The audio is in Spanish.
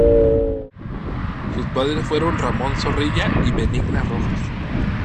Sus padres fueron Ramón Zorrilla y Benigna Rojas.